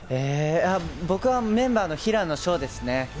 僕はメンバーの平野紫耀です。